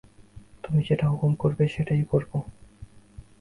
তুমি যেটা হুকুম করবে সেইটেই পরব।